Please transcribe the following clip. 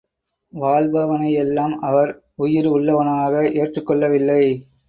வாழ்பவனை எல்லாம் அவர் உயிர் உள்ளவனாக ஏற்றுக் கொள்ளவில்லை.